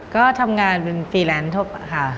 ก็ทำงานเป็นฟรีแลนซ์ทั่วไปค่ะ